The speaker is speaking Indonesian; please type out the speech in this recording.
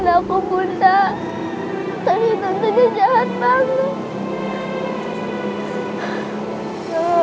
siapa cobaamein lu ke sek tonang mau kaan area blanknya kaku